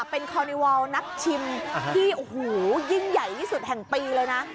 เป็นคอนิวอลนักชิมที่โอ้โหยิ่งใหญ่ที่สุดแห่งปีเลยนะ